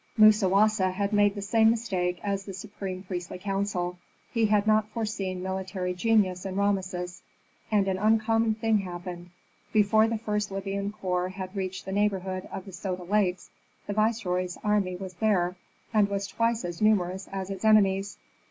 Musawasa had made the same mistake as the supreme priestly council. He had not foreseen military genius in Rameses. And an uncommon thing happened: before the first Libyan corps had reached the neighborhood of the Soda Lakes the viceroy's army was there, and was twice as numerous as its enemies.